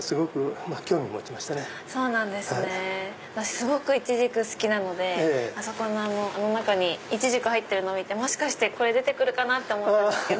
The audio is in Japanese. すごくイチジク好きなのであそこの中にイチジク入ってるの見てもしかしてこれ出てくるかなって思ったんです。